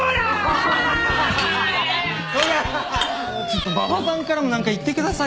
ちょっと馬場さんからも何か言ってくださいよ。